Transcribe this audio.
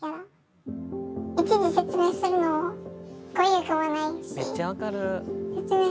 実はめっちゃ分かる。